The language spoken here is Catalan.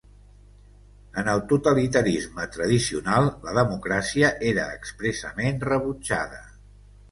En el totalitarisme tradicional la democràcia era expressament rebutjada.